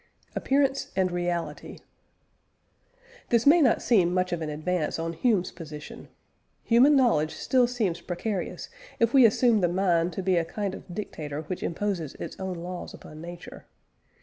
APPEARANCE AND REALITY. This may not seem much of an advance on Hume's position. Human knowledge still seems precarious, if we assume the mind to be a kind of dictator which imposes its own laws upon nature.